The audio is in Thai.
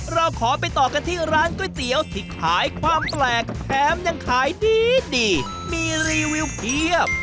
เราขอไปต่อกันที่ร้านก๋วยเตี๋ยวที่ขายความแปลกแถมยังขายดีดีมีรีวิวเพียบ